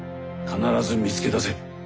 必ず見つけ出せ。